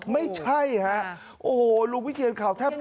ไม่ใช่ฮะโอ้โหลุงวิเชียนข่าวแทบ